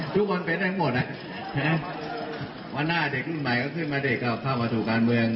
ทุกคนเป็นได้หมดวันหน้าเด็กรุ่นใหม่ก็ขึ้นมาเด็กก็เข้ามาสู่การเมือง